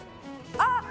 あっ！